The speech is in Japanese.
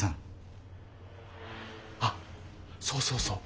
あっそうそうそう。